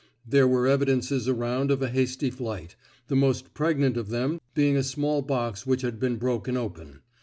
There were evidences around of a hasty flight, the most pregnant of them being a small box which had been broken open.